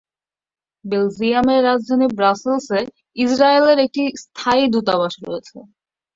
বেলজিয়ামের রাজধানী ব্রাসেলস-এ ইসরায়েল এর একটি স্থায়ী দূতাবাস রয়েছে।